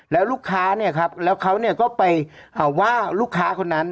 แล้วลูกค้าเนี่ยครับแล้วเขาก็ไปว่าลูกค้าคนนั้น